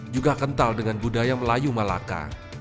juga kental dengan budaya melayu malaka